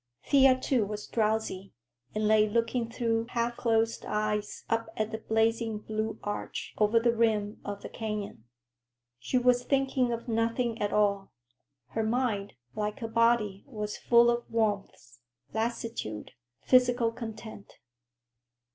Thea, too, was drowsy, and lay looking through halfclosed eyes up at the blazing blue arch over the rim of the canyon. She was thinking of nothing at all. Her mind, like her body, was full of warmth, lassitude, physical content.